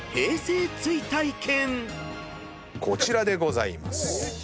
こちらでございます。